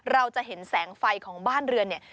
เราจะเห็นแสงไฟของบ้านเรือนเนี่ย